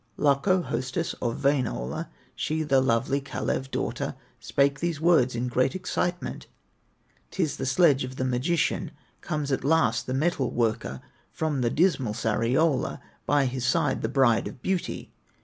Lakko, hostess of Wainola, She the lovely Kalew daughter, Spake these words in great excitement: "'Tis the sledge of the magician, Comes at last the metal worker From the dismal Sariola, By his side the Bride of Beauty!